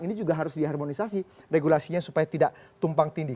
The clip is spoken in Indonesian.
ini juga harus diharmonisasi regulasinya supaya tidak tumpang tindih